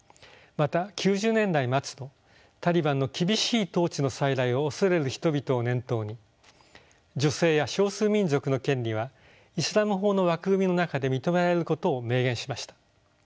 また９０年代末のタリバンの厳しい統治の再来を恐れる人々を念頭に女性や少数民族の権利はイスラム法の枠組みの中で認められることを明言しました。